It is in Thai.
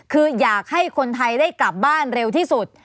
คืออยากให้คนไทยได้กลับบ้านเร็วที่สุด